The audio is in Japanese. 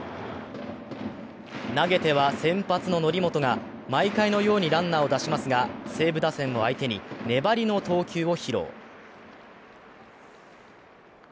投げては、先発の則本が毎回のようにランナーを出しますが西武打線を相手に粘りの投球を披露。